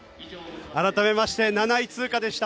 改めまして７位通過でした。